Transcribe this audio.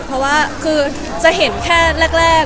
เพราะว่าคือจะเห็นแค่แรก